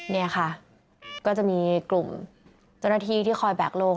เนี่ยค่ะก็จะมีกลุ่มจุดนาทีที่คอยแบกลง